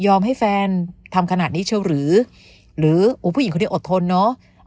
ยอมให้แฟนทำขนาดนี้เชื่ออยู่หรือหรือโห้ผู้หญิงคนเนี้ยอดทนเนอะ